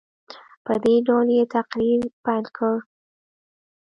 په دې ډول یې تقریر پیل کړ.